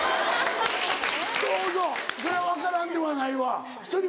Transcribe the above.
そうそうそれは分からんではないわ。